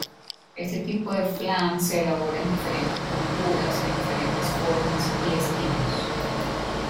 Este tipo de flan se elabora en diferentes culturas en diferentes formas y estilos.